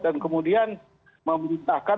dan kemudian meminta